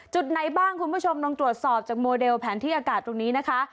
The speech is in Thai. จุดไหนบ้างคุณผู้ชมลองตรวจสอบจากโมเดลแผนที่อากาศตรงนี้นะคะ